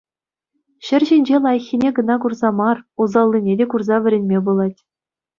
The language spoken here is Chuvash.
Ҫӗр ҫинче лайӑххнне кӑна курса мар, усаллине те курса вӗренме пулать.